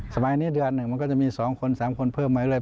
สมัยนี้เดือนหนึ่งมันก็จะมี๒คน๓คนเพิ่มมาเรื่อย